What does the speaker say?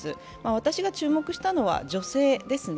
私が注目したのは女性ですね。